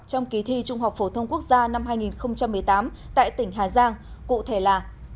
trong kỳ thi trung học phổ thông quốc gia năm hai nghìn một mươi tám tại tỉnh hà giang cụ thể là